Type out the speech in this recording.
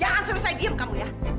jangan selesai diam kamu ya